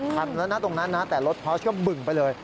คันแล้วนะตรงนั้นนะแต่รถพอร์ชก็บึ่งไปเลย